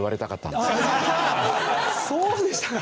そうでしたか。